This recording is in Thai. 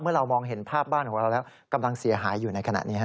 เรามองเห็นภาพบ้านของเราแล้วกำลังเสียหายอยู่ในขณะนี้